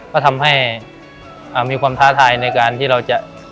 ก็ทำให้มีความท้าทายในการที่เราจะ